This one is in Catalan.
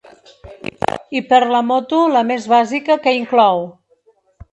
I perla moto la més bàsica que inclou?